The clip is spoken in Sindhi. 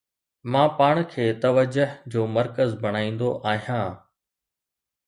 مان پاڻ کي توجه جو مرڪز بڻائيندو آهيان